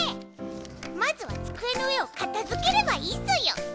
まずは机の上をかたづければいいソヨ。